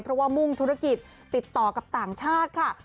เพราะว่ามุ่งธุรกิจติดต่อกับต่างชาติค่ะ